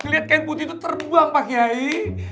lihat kain putih itu terbang pak yayi